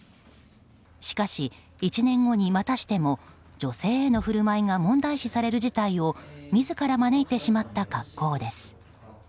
しかし、１年後にまたしても女性への振る舞いが問題視される事態を自ら招いてしまった格好です。